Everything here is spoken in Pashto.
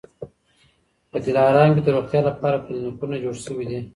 په دلارام کي د روغتیا لپاره کلینیکونه جوړ سوي دي